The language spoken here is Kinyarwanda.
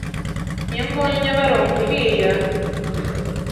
Iyo mbonye Nyabarongo iriya